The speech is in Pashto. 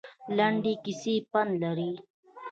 لنډې کیسې پند لري